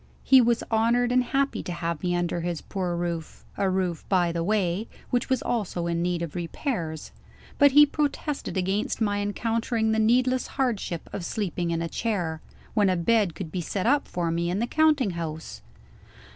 He was honored and happy to have me under his poor roof a roof, by the way, which was also in need of repairs but he protested against my encountering the needless hardship of sleeping in a chair, when a bed could be set up for me in the counting house.